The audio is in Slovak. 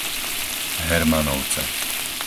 Hermanovce